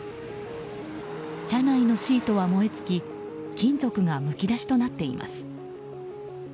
車内のシートは燃えつき金属がむき出しとなっています。